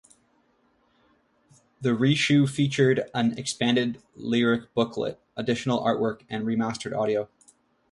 The reissue featured an expanded lyric booklet, additional artwork and remastered audio.